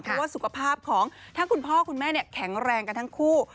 เพราะว่าสุขภาพของถ้าคุณพ่อคุณแม่แข็งแรงกันทั้งคู่